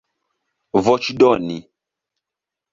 voĉdoni